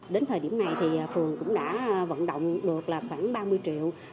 đến thời điểm này phường cũng đã vận động được khoảng ba mươi triệu